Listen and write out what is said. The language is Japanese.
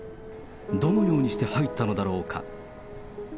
どのようにして入ったのだろうか。